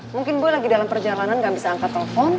mungkin gue lagi dalam perjalanan gak bisa angkat telepon